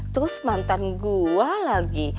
terus mantan gua lagi